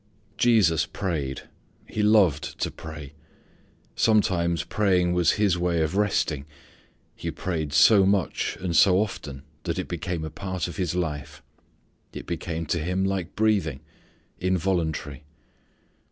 Jesus prayed. He loved to pray. Sometimes praying was His way of resting. He prayed so much and so often that it became a part of His life. It became to Him like breathing involuntary.